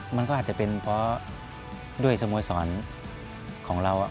มันก็อาจจะเป็นเพราะด้วยสโมสรของเรา